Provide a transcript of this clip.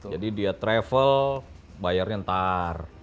jadi dia travel bayarnya ntar